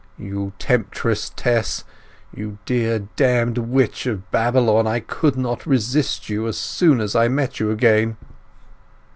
"You temptress, Tess; you dear damned witch of Babylon—I could not resist you as soon as I met you again!"